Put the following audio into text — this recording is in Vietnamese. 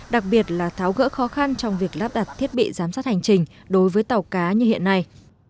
đặc biệt là tháo gỡ khó khăn trong việc lắp đặt thiết bị giám sát hành trình đối với tàu cá như hiện nay